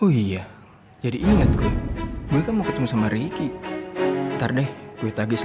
ya jadi inget gue mau ketemu sama ricky ntar deh gue ngajar